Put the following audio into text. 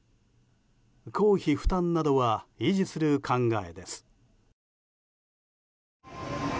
公費負担などは維持する考えです。